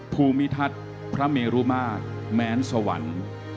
ภูมิทัศน์พระเมรุมาตรแม้นสวรรค์